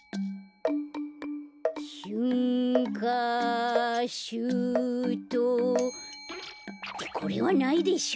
「しゅんーかーしゅーとー」ってこれはないでしょ。